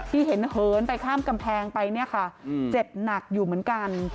ที่เห็นเหินไปข้ามกำแพงไปเนี่ยค่ะเจ็บหนักอยู่เหมือนกัน